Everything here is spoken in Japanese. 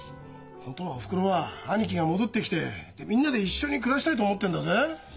本当はおふくろは兄貴が戻ってきてみんなで一緒に暮らしたいと思ってんだぜ。